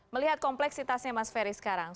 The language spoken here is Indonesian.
melihat kompleksitasnya mas ferry sekarang